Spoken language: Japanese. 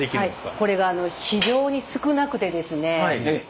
はいこれが非常に少なくてですねえっ？